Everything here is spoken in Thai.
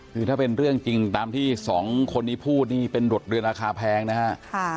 คือถ้าเป็นเรื่องจริงตามที่สองคนนี้พูดนี่เป็นบทเรียนราคาแพงนะฮะ